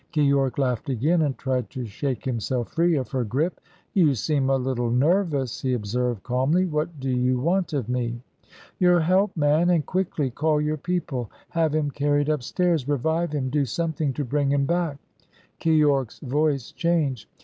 Keyork laughed again, and tried to shake himself free of her grip. "You seem a little nervous," he observed calmly. "What do you want of me?" "Your help, man, and quickly! Call your people! Have him carried upstairs! Revive him! do something to bring him back!" Keyork's voice changed.